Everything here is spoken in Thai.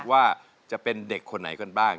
ว่าจะเป็นเด็กคนไหนกันบ้าง